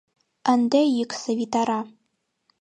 Ынде йӱксӧ витара